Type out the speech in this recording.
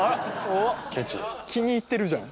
気に入ってるじゃん！